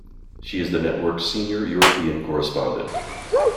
She is the network's senior European correspondent.